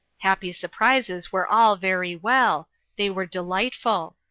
Happy surprises were all very well ; they were delightful.